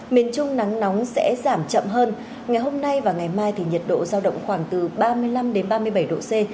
miền trung nắng nóng sẽ giảm chậm hơn ngày hôm nay và ngày mai thì nhiệt độ giao động khoảng từ ba mươi năm đến ba mươi bảy độ c